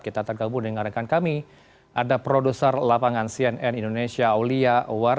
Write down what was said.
kita tergabung dengan rekan kami ada produser lapangan cnn indonesia aulia awar